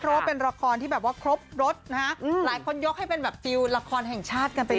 เพราะว่าเป็นละครที่แบบว่าครบรถนะฮะหลายคนยกให้เป็นแบบฟิลละครแห่งชาติกันไปเลย